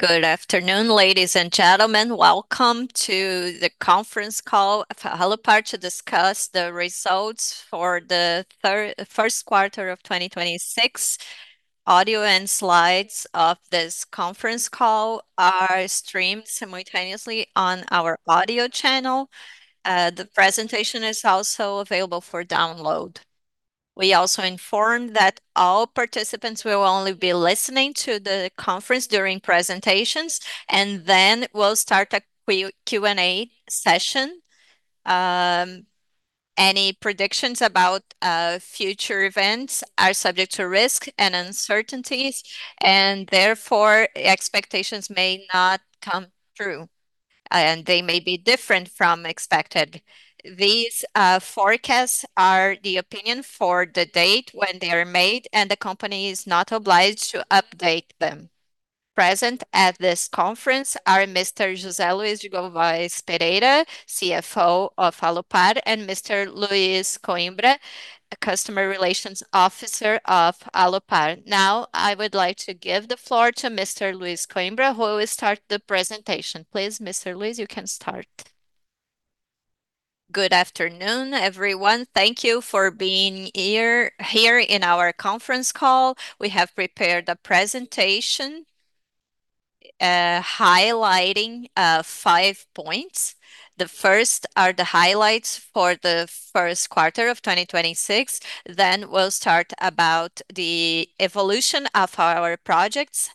Good afternoon, ladies and gentlemen. Welcome to the conference call of Alupar to discuss the results for the first quarter of 2026. Audio and slides of this conference call are streamed simultaneously on our audio channel. The presentation is also available for download. We also inform that all participants will only be listening to the conference during presentations, and then we'll start a Q&A session. Any predictions about future events are subject to risk and uncertainties, and therefore expectations may not come true, and they may be different from expected. These forecasts are the opinion for the date when they are made. The company is not obliged to update them. Present at this conference are Mr. José Luiz de Godoy Pereira, CFO of Alupar, and Mr. Luiz Coimbra, a customer relations officer of Alupar. Now, I would like to give the floor to Mr. Luiz Coimbra, who will start the presentation. Please, Mr. Luiz, you can start. Good afternoon, everyone. Thank you for being here in our conference call. We have prepared a presentation, highlighting five points. The first are the highlights for the first quarter of 2026, then we'll start about the evolution of our projects.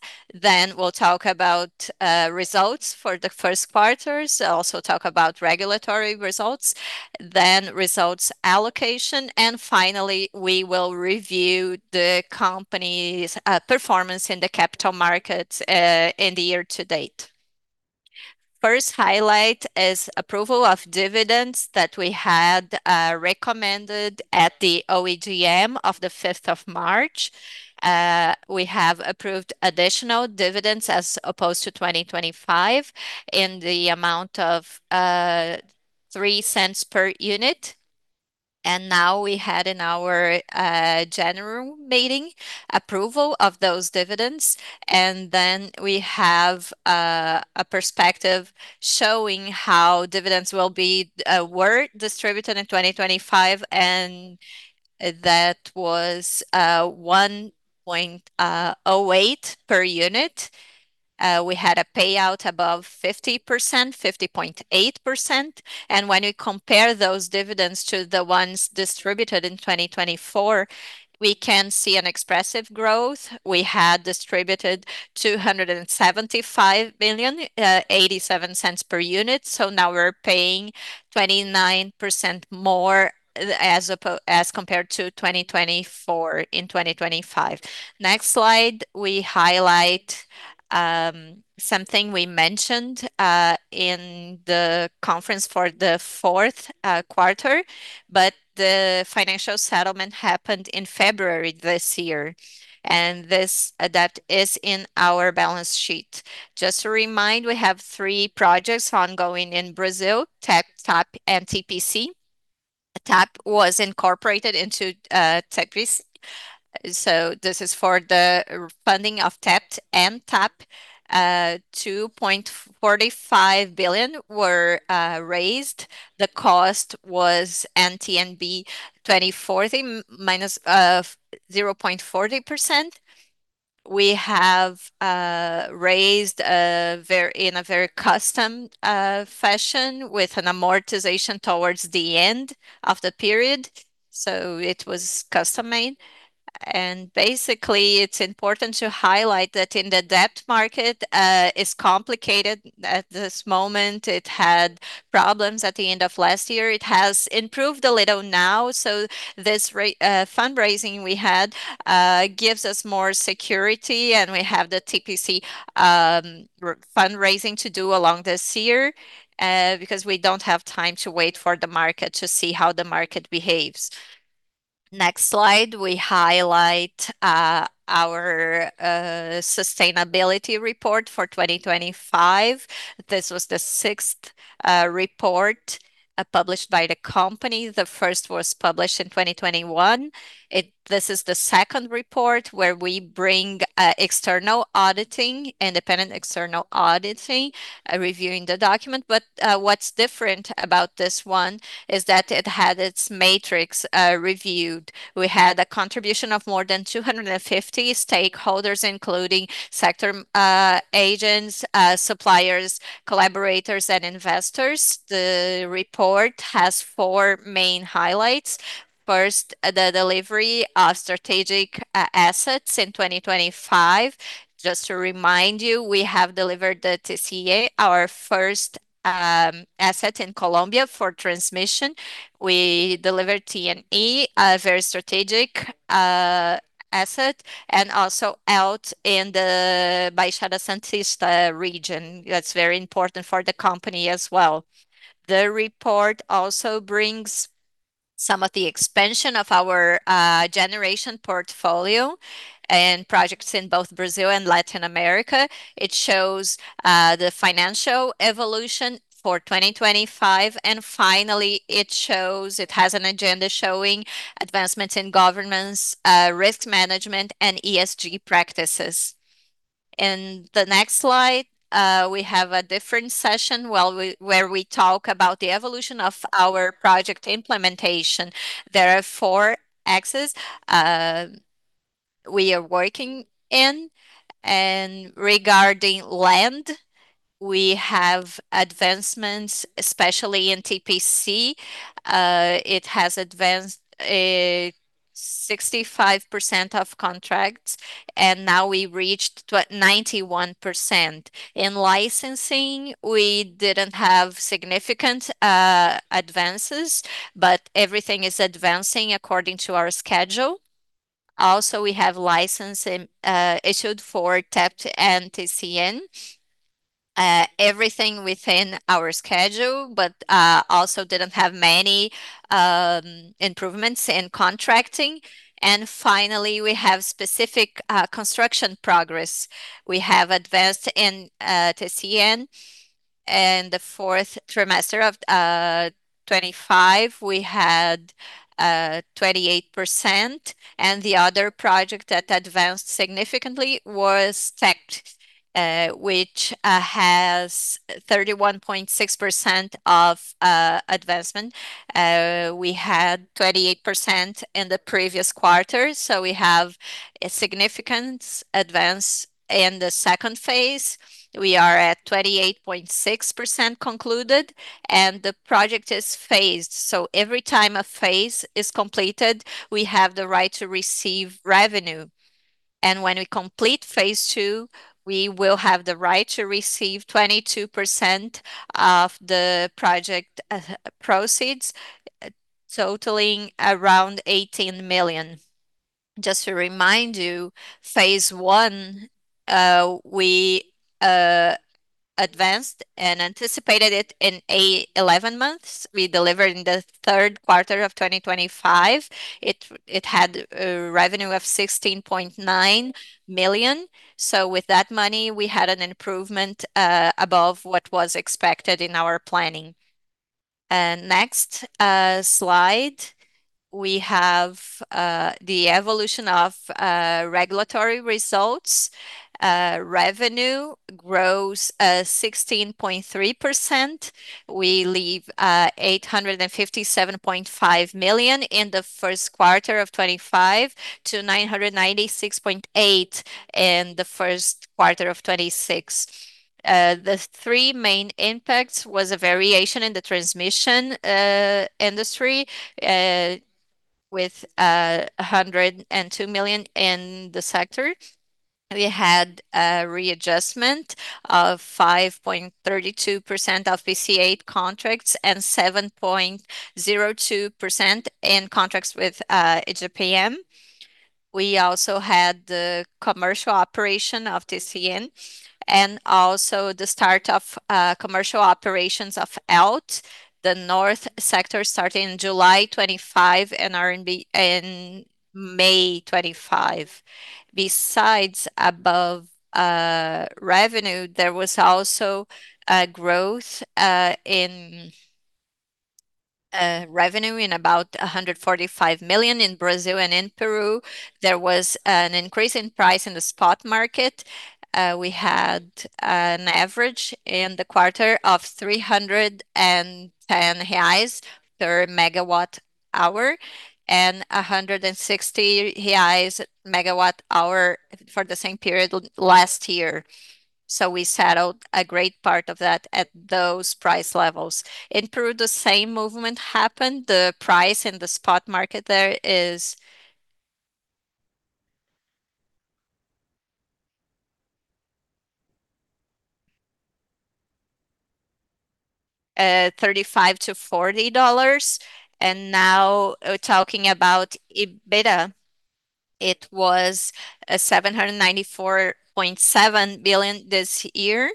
We'll talk about results for the first quarters, also talk about regulatory results, then results allocation, and finally, we will review the company's performance in the capital markets in the year-to-date. First highlight is approval of dividends that we had recommended at the AGM of the 5th of March. We have approved additional dividends as opposed to 2025, in the amount of 0.03 per unit. Now we had in our General Meeting approval of those dividends. Then we have a perspective showing how dividends will be distributed in 2025, and that was 1.08 per unit. We had a payout above 50%, 50.8%. When you compare those dividends to the ones distributed in 2024, we can see an expressive growth. We had distributed 275 million, 0.87 per unit. Now we're paying 29% more as compared to 2024 in 2025. Next slide, we highlight something we mentioned in the conference for the fourth quarter, but the financial settlement happened in February this year, and this, that is in our balance sheet. Just to remind, we have three projects ongoing in Brazil: TAPT, TAP, and TPC. TAPT was incorporated into TAPTIS. This is for the funding of TAPT and TAP. 2.45 billion were raised. The cost was NTN-B, 2040 minus 0.40%. We have raised in a very custom fashion with an amortization towards the end of the period. It was custom-made. Basically, it's important to highlight that in the debt market is complicated at this moment. It had problems at the end of last year. It has improved a little now, so this fundraising we had gives us more security, and we have the TPC fundraising to do along this year because we don't have time to wait for the market to see how the market behaves. Next slide, we highlight our sustainability report for 2025. This was the sixth report published by the company. The first was published in 2021. This is the second report where we bring external auditing, independent external auditing, reviewing the document. What's different about this one is that it had its matrix reviewed. We had a contribution of more than 250 stakeholders, including sector agents, suppliers, collaborators, and investors. The report has four main highlights. First, the delivery of strategic assets in 2025. Just to remind you, we have delivered the TCA, our first asset in Colombia for transmission. We delivered TNE, a very strategic asset, and also out in the Baixada Santista region. That's very important for the company as well. The report also brings some of the expansion of our generation portfolio and projects in both Brazil and Latin America. It shows the financial evolution for 2025. Finally, it shows, it has an agenda showing advancements in governance, risk management, and ESG practices. In the next slide, we have a different session where we talk about the evolution of our project implementation. There are four axes we are working in. Regarding land, we have advancements, especially in TPC. It has advanced 65% of contracts, and now we reached 91%. In licensing, we didn't have significant advances, but everything is advancing according to our schedule. Also, we have license issued for TAPT and TCN. Everything within our schedule, but also didn't have many improvements in contracting. Finally, we have specific construction progress. We have advanced in TCN. In the 4th trimester of 2025, we had 28%, and the other project that advanced significantly was TECP, which has 31.6% of advancement. We had 28% in the previous quarter, so we have a significant advance in the second phase. We are at 28.6% concluded, and the project is phased. Every time a phase is completed, we have the right to receive revenue. When we complete phase II, we will have the right to receive 22% of the project proceeds, totaling around 18 million. Just to remind you, phase I, we advanced and anticipated it in 11 months. We delivered in the 3rd quarter of 2025. It had a revenue of 16.9 million. With that money, we had an improvement above what was expected in our planning. Next slide, we have the evolution of regulatory results. Revenue grows 16.3%. We leave 857.5 million in the first quarter of 2025 to 996.8 in the first quarter of 2026. The three main impacts was a variation in the transmission industry with 102 million in the sector. We had a readjustment of 5.32% of VCA contracts and 7.02% in contracts with IGP-M. We also had the commercial operation of TCN and also the start of commercial operations of ELTE, the north sector starting July 2025 and R&B in May 2025. Besides above, revenue, there was also a growth in revenue in about 145 million in Brazil and in Peru. There was an increase in price in the spot market. We had an average in the quarter of 310 reais per megawatt hour and 160 reais megawatt hour for the same period last year. We settled a great part of that at those price levels. In Peru, the same movement happened. The price in the spot market there is $35-$40. Now talking about EBITDA, it was 794.7 billion this year,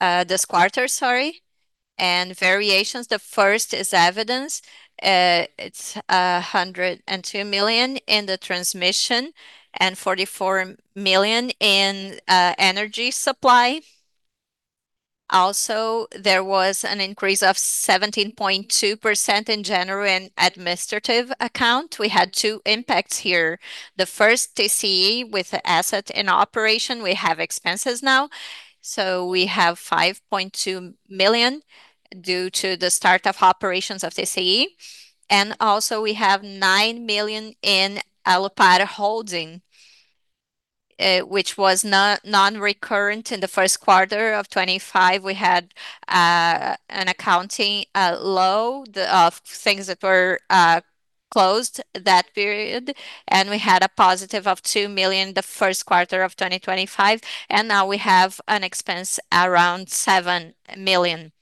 this quarter, sorry. Variations, the first is evidence. It's 102 million in the transmission and 44 million in energy supply. There was an increase of 17.2% in general and administrative account. We had two impacts here. The first, TCE, with the asset in operation, we have expenses now. We have 5.2 million due to the start of operations of TCE, we have 9 million in Alupar Holding, which was non-recurrent in the first quarter of 2025. We had an accounting low of things that were closed that period, we had a positive of 2 million the first quarter of 2025, and now we have an expense around 7 million.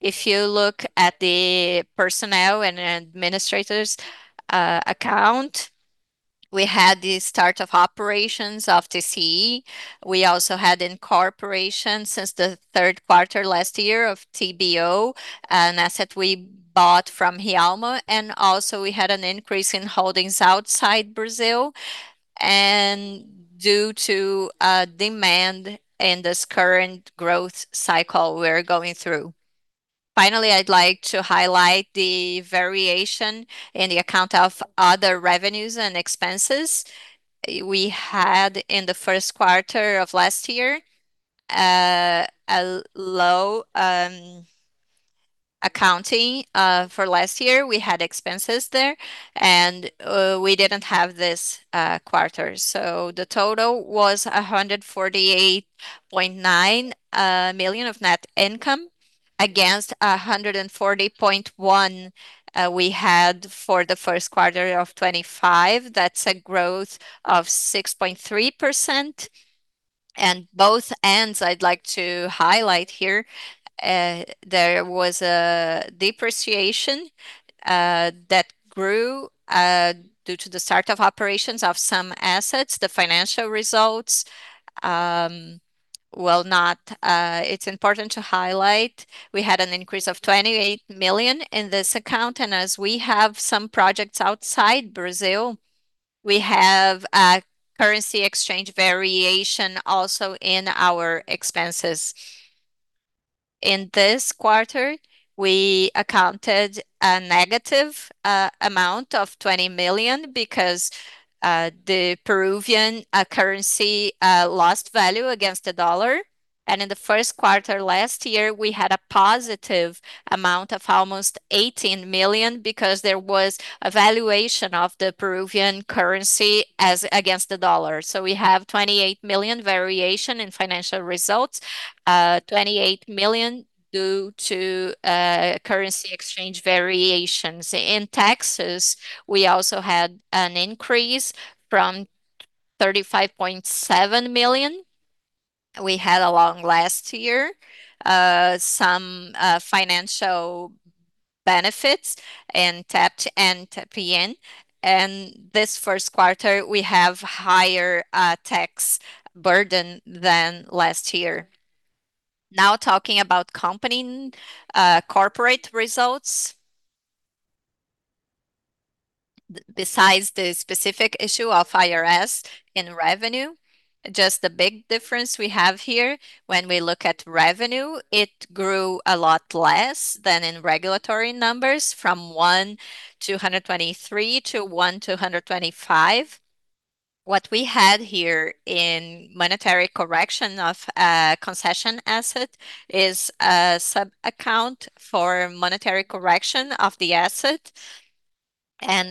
If you look at the personnel and administrators account, we had the start of operations of TCE. We also had incorporation since the third quarter last year of TBO, an asset we bought from Rialma and also we had an increase in south side Brazil, due to demand in this current growth cycle we're going through. Finally, I'd like to highlight the variation in the account of other revenues and expenses we had in the first quarter of last year. A low accounting for last year. We had expenses there, we didn't have this quarter. The total was 148.9 million of net income against 140.1 million we had for the first quarter of 2025. That's a growth of 6.3%. Both ends I'd like to highlight here. There was a depreciation that grew due to the start of operations of some assets. The financial results, it's important to highlight we had an increase of 28 million in this account. As we have some projects outside Brazil, we have a currency exchange variation also in our expenses. In this quarter, we accounted a negative amount of 20 million because the Peruvian currency lost value against the dollar. In the first quarter last year, we had a positive amount of almost 18 million because there was a valuation of the Peruvian currency as against the dollar. We have 28 million variation in financial results, 28 million due to currency exchange variations. In taxes, we also had an increase from 35.7 million we had along last year, some financial benefits in TAPT and TPIN. This first quarter, we have higher tax burden than last year. Now talking about company corporate results. Besides the specific issue of IRS in revenue, just the big difference we have here, when we look at revenue, it grew a lot less than in regulatory numbers from 1,223-1,225. What we had here in monetary correction of concession asset is a sub-account for monetary correction of the asset.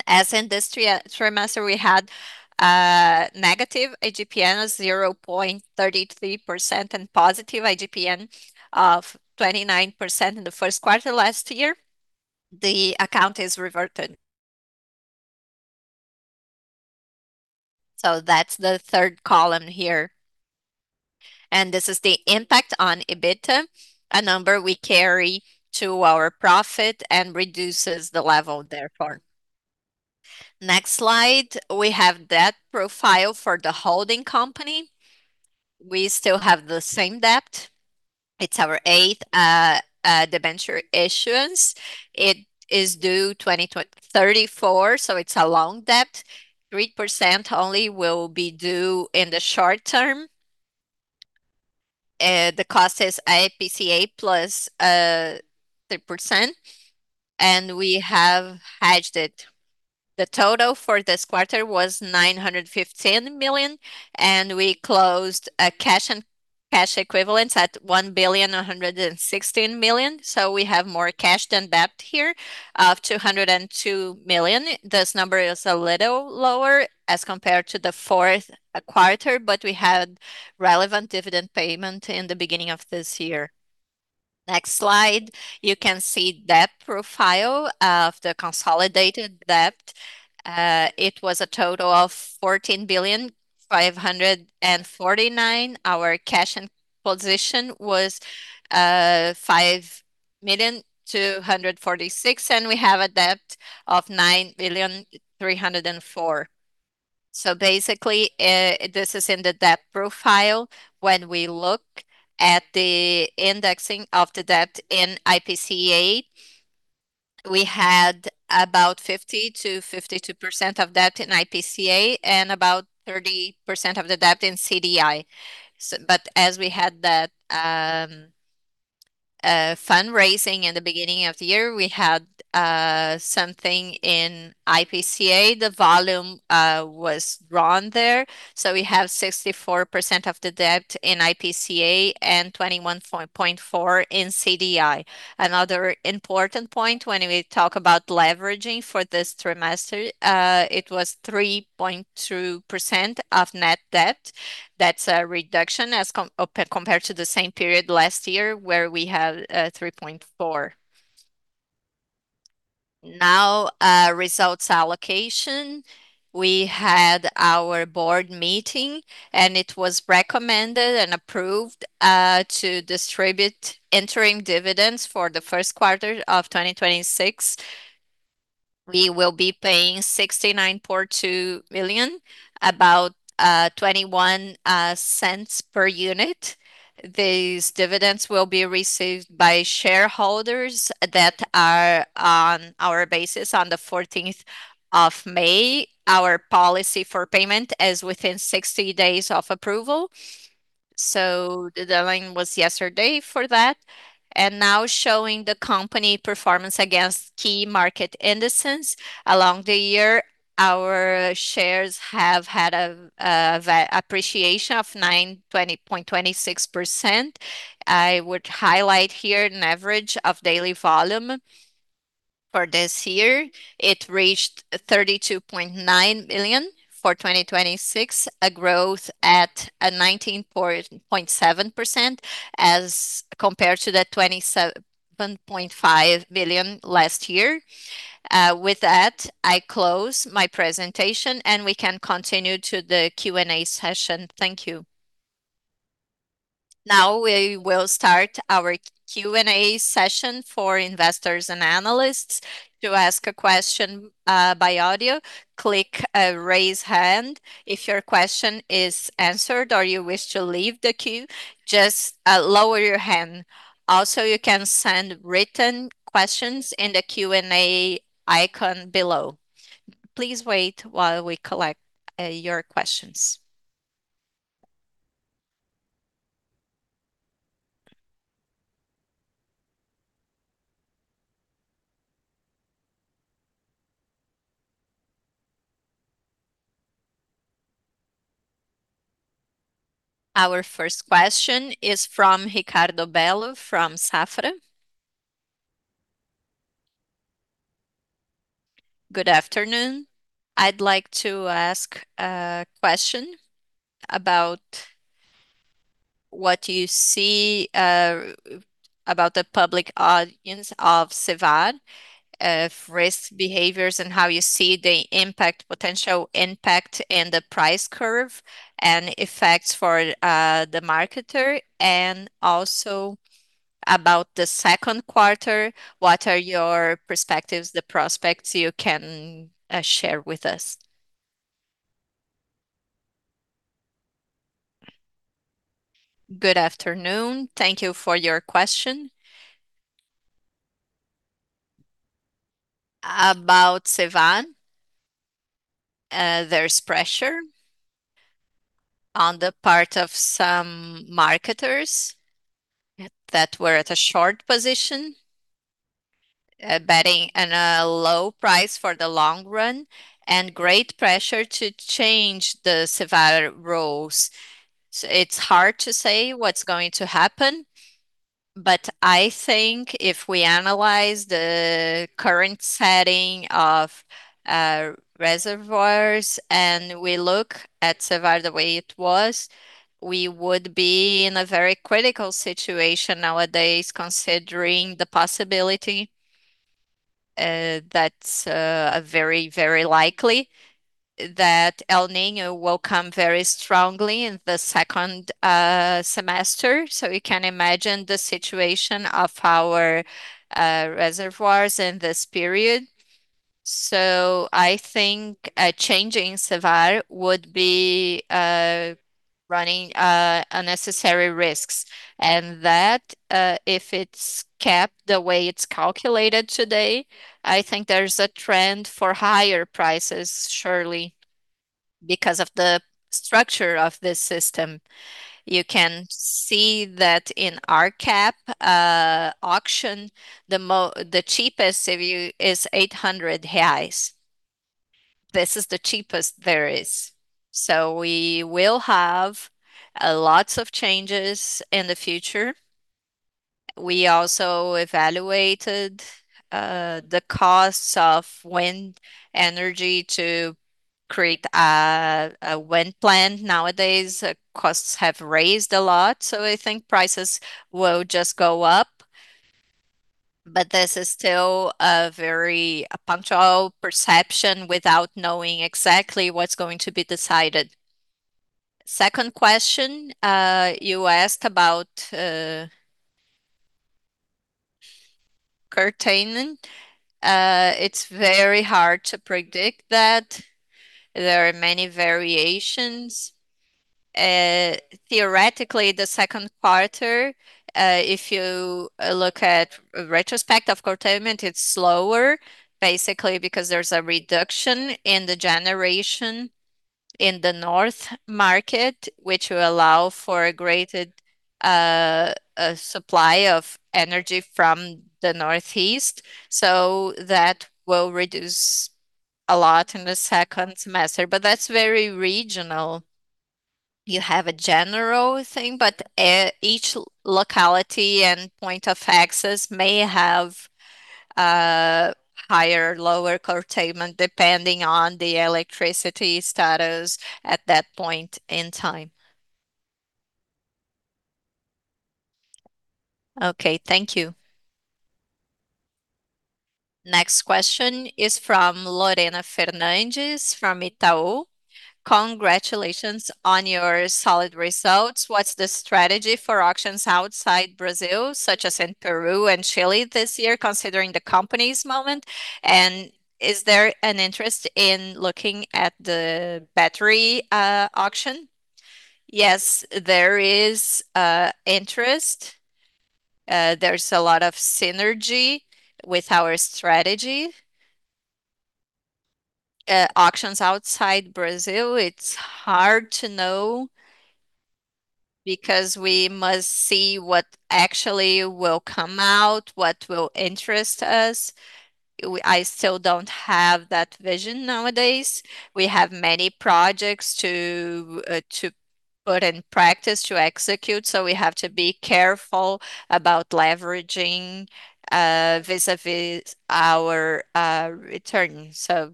As in this tri-trimester, we had negative IGP-M of 0.33% and positive IGP-M of 29% in the first quarter last year. The account is reverted. That's the third column here. This is the impact on EBITDA, a number we carry to our profit and reduces the level therefore. Next slide, we have debt profile for the holding company. We still have the same debt. It's our eighth debenture issuance. It is due 2034. It's a long debt. 3% only will be due in the short term. The cost is IPCA plus 3%. We have hedged it. The total for this quarter was 915 million. We closed cash and cash equivalents at 1.116 Billion. We have more cash than debt here of 202 million. This number is a little lower as compared to the fourth quarter. We had relevant dividend payment in the beginning of this year. Next slide, you can see debt profile of the consolidated debt. It was a total of 14.549 billion. Our cash and position was 5.246 million. We have a debt of 9.304 billion. Basically, this is in the debt profile. When we look at the indexing of the debt in IPCA, we had about 50%-52% of debt in IPCA and about 30% of the debt in CDI. As we had that fundraising in the beginning of the year, we had something in IPCA. The volume was drawn there. We have 64% of the debt in IPCA and 21.4% in CDI. Another important point when we talk about leveraging for this trimester, it was 3.2% of net debt. That's a reduction as compared to the same period last year, where we had 3.4%. Now, results allocation. We had our board meeting, and it was recommended and approved to distribute interim dividends for the first quarter of 2026. We will be paying 69.2 million, about 0.21 per unit. These dividends will be received by shareholders that are on our bases on the 14th of May. Our policy for payment is within 60 days of approval. The deadline was yesterday for that. Now showing the company performance against key market indices. Along the year, our shares have had an appreciation of 920.26%. I would highlight here an average of daily volume for this year. It reached 32.9 billion for 2026, a growth at 19.7% as compared to the 27.5 billion last year. With that, I close my presentation, and we can continue to the Q&A session. Thank you. Now we will start our Q&A session for investors and analysts. To ask a question by audio, click Raise Hand. If your question is answered or you wish to leave the queue, just lower your hand. Also, you can send written questions in the Q&A icon below. Please wait while we collect your questions. Our first question is from Ricardo Bello from Safra. Good afternoon. I'd like to ask a question about what you see about the public audience of CVaR, risk behaviors, and how you see the impact, potential impact in the price curve, and effects for the marketer. Also about the 2Q, what are your perspectives, the prospects you can share with us? Good afternoon. Thank you for your question. About CEVA, there's pressure on the part of some marketers that were at a short position, betting on a low price for the long run, and great pressure to change the CEVA rules. It's hard to say what's going to happen, but I think if we analyze the current setting of reservoirs and we look at CEVA the way it was, we would be in a very critical situation nowadays considering the possibility that's very, very likely that El Niño will come very strongly in the second semester. You can imagine the situation of our reservoirs in this period. I think changing CEVA would be running unnecessary risks and that if it's kept the way it's calculated today, I think there's a trend for higher prices, surely, because of the structure of this system. You can see that in our CapEx auction, the cheapest CVaR is 800 reais. This is the cheapest there is. We will have lots of changes in the future. We also evaluated the costs of wind energy to create a wind plant. Nowadays, costs have raised a lot, I think prices will just go up, this is still a very punctual perception without knowing exactly what's going to be decided. Second question, you asked about curtailment. It's very hard to predict that. There are many variations. Theoretically, the second quarter, if you look at retrospect of curtailment, it's slower, basically because there's a reduction in the generation in the north market, which will allow for a greater supply of energy from the northeast. That will reduce a lot in the second semester, but that's very regional. You have a general thing, but each locality and point of access may have higher or lower curtailment depending on the electricity status at that point in time. Okay, thank you. Next question is from Lorena Fernandes from Itaú. Congratulations on your solid results. What's the strategy for auctions outside Brazil, such as in Peru and Chile this year, considering the company's moment? Is there an interest in looking at the battery auction? Yes, there is interest. There's a lot of synergy with our strategy. Auctions outside Brazil, it's hard to know because we must see what actually will come out, what will interest us. I still don't have that vision nowadays. We have many projects to put in practice to execute, so we have to be careful about leveraging vis-à-vis our return.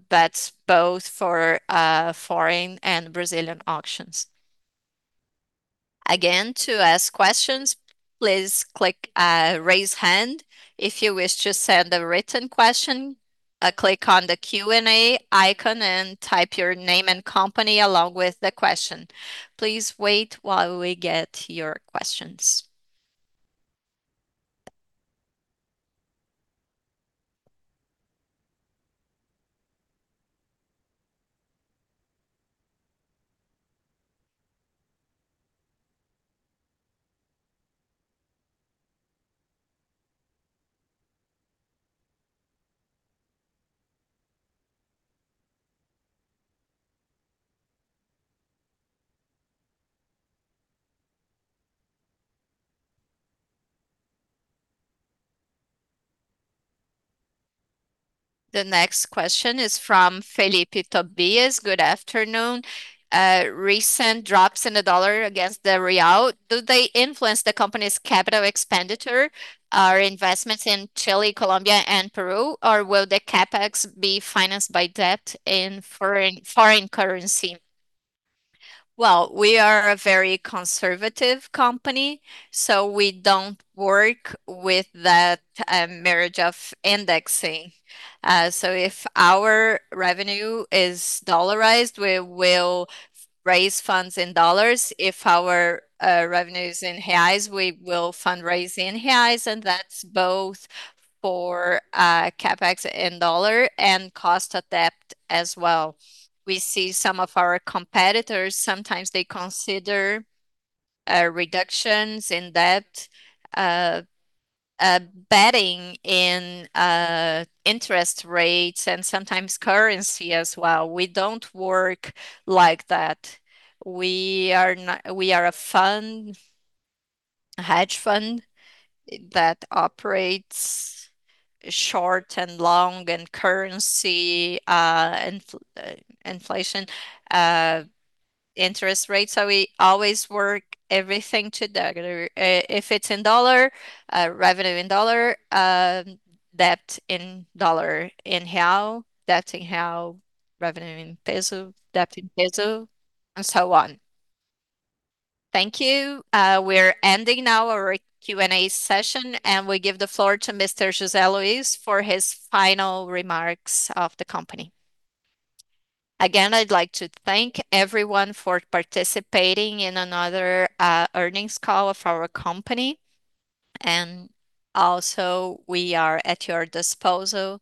That's both for foreign and Brazilian auctions. Again, to ask questions, please click raise hand. If you wish to send a written question, click on the Q&A icon and type your name and company along with the question. Please wait while we get your questions. The next question is from Felipe Tobias. Good afternoon. Recent drops in the USD against the BRL, do they influence the company's capital expenditure or investments in Chile, Colombia, and Peru, or will the CapEx be financed by debt in foreign currency? Well, we are a very conservative company, so we don't work with that marriage of indexing. If our revenue is dollarized, we will raise funds in USD. If our revenue is in reais, we will fundraise in reais. That's both for CapEx in US dollars and cost of debt as well. We see some of our competitors, sometimes they consider reductions in debt, betting in interest rates and sometimes currency as well. We don't work like that. We are a fund, hedge fund that operates short and long in currency, inflation, interest rates. We always work everything together. If it's in dollars, revenue in dollars, debt in dollars. In reais, debt in reais, revenue in PEN, debt in PEN, and so on. Thank you. We're ending now our Q&A session, and we give the floor to Mr. José Luiz for his final remarks of the company. I'd like to thank everyone for participating in another earnings call of our company. We are at your disposal.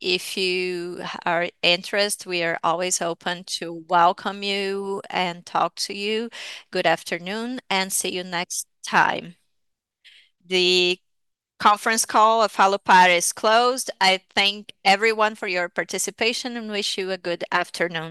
If you are interested, we are always open to welcome you and talk to you. Good afternoon. See you next time. The conference call of Alupar is closed. I thank everyone for your participation and wish you a good afternoon.